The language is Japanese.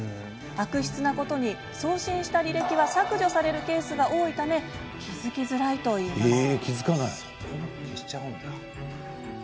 悪質なことに、送信した履歴は削除されるケースが多いため気付きづらいといいます。